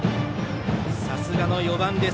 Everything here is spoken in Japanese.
さすがの４番です。